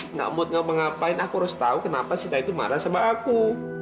enggak mau ngapa ngapain aku harus tau kenapa sita itu marah sama aku